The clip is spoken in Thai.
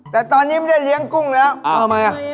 แต่ตอนนี้ไม่ได้เลี้ยงกุ้งแล้วอ้าวทำไมล่ะ